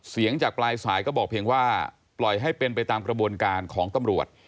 เสียงจากปลายสายก็บอกเพียงว่าปล่อยให้เป็นไปตามกระบวนการของตำรวจ